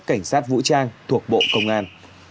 cảnh sát vũ trang thuộc bộ công an